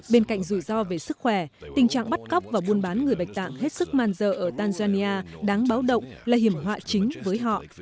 bên cạnh rủi ro về sức khỏe tình trạng bắt cóc và buôn bán người bệnh tạng hết sức man dợ ở tanzania đáng báo động là hiểm họa chính với họ